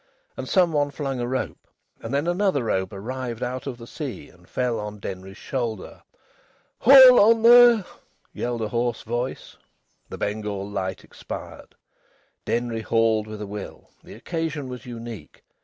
And some one flung a rope, and then another rope arrived out of the sea, and fell on Denry's shoulder. "Haul on there!" yelled a hoarse voice. The Bengal light expired. Denry hauled with a will. The occasion was unique.